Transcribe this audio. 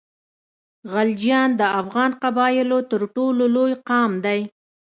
غلجیان د افغان قبایلو تر ټولو لوی قام دی.